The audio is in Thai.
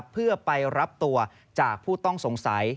เพื่อไปรับตัวจากผู้ต้องสงสัย